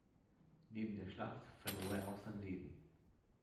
Neben der Schlacht verlor er auch sein Leben.